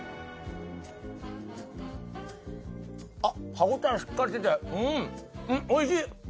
歯応えしっかりしててうんおいしい！